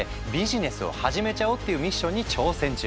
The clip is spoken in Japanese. ビジネスを始めちゃおうっていうミッションに挑戦中。